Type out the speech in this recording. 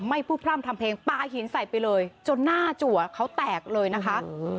ไม่พูดพร่ำทำเพลงปลาหินใส่ไปเลยจนหน้าจัวเขาแตกเลยนะคะ